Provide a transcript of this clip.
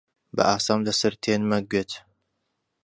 بەئاستەم دەسرتێنمە گوێت: